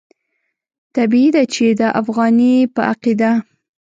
طبیعي ده چې د افغاني په عقیده.